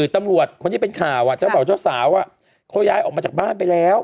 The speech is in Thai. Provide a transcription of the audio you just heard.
ตำรวจคนที่เป็นข่าวเจ้าบ่าวเจ้าสาวเขาย้ายออกมาจากบ้านไปแล้ว